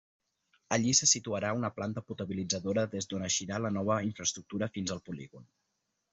Allí se situarà una planta potabilitzadora des d'on eixirà la nova infraestructura fins al polígon.